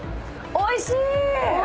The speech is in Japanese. おいしい！